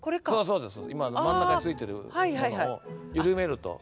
そうです。